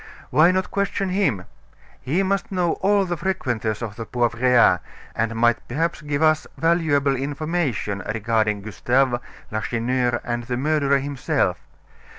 "Why not question him? He must know all the frequenters of the Poivriere, and might perhaps give us valuable information regarding Gustave, Lacheneur, and the murderer himself.